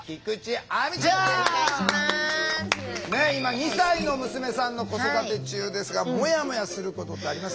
ねえ今２歳の娘さんの子育て中ですがもやもやすることってありますか？